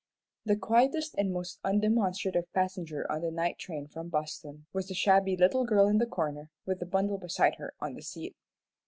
The quietest and most undemonstrative passenger on the night train from Boston was the shabby little girl in the corner, with the bundle beside her on the seat.